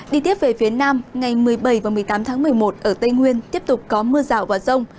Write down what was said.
đi tiếp về phía nam ngày một mươi bảy và một mươi tám tháng một mươi một ở tây nguyên tiếp tục có mưa rào và rông